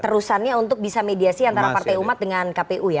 terusannya untuk bisa mediasi antara partai umat dengan kpu ya